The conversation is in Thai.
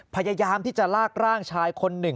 พยายามที่จะลากร่างชายคนหนึ่ง